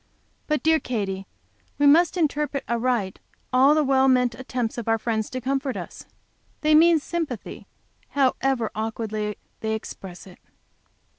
But, dear Katy, we must interpret aright all the well meant attempts of our friends to comfort us. They mean sympathy, however awkwardly they express it."